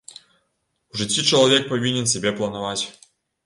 У жыцці чалавек павінен сябе планаваць.